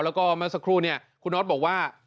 แล้วก็เมื่อสักครู่เนี่ยคุณน็อตบอกว่า